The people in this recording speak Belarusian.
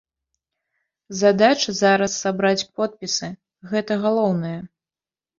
Задача зараз сабраць подпісы, гэта галоўнае.